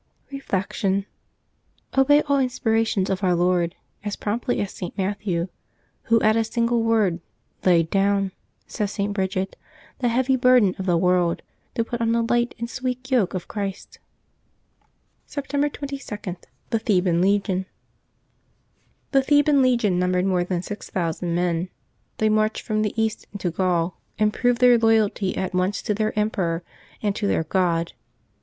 Reflection. — Obey all inspirations of Our Lord as promptly as St. Matthew, who, at a single word, " laid down,^' says St. Bridget, *^ the heavy burden of the world to put on the light and sweet yoke of Christ." September 22. .THE THEBAN LEGION. I^^HE Theban legion numbered more than six thousand \my men. They marched from the East into Gaul, and proved their loyalty at once to their Emperor and to their God.